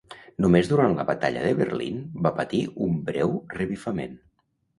Només durant la Batalla de Berlín va patir un breu revifament.